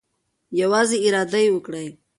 یوازې اراده وکړئ.